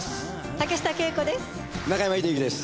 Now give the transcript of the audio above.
竹下景子です。